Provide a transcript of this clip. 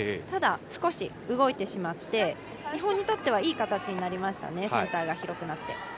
ただ少し動いてしまって日本にとってはいい形になりましたね、センターが広くなって。